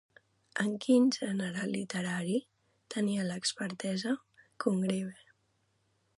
En quin gènere literari tenia l'expertesa Congreve?